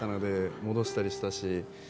戻したりしたし。